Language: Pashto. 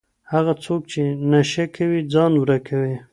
هغه څوک چې نشه کوي ځان ورکوي.